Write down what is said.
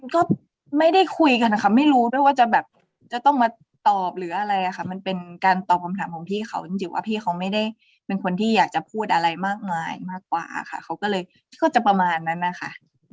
ก็ไม่ได้คุยกันค่ะไม่รู้ด้วยว่าจะแบบจะต้องมาตอบหรืออะไรค่ะมันเป็นการตอบคำถามของพี่เขาจริงว่าพี่เขาไม่ได้เป็นคนที่อยากจะพูดอะไรมากมายมากกว่าค่ะเขาก็เลยก็จะประมาณนั้นนะคะ